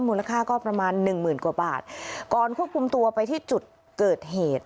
มูลค่าก็ประมาณหนึ่งหมื่นกว่าบาทก่อนควบคุมตัวไปที่จุดเกิดเหตุ